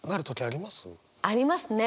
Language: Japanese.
ありますね。